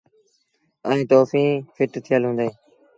ائيٚݩ توڦيٚن ڦٽ ٿيٚل هُݩديٚݩ۔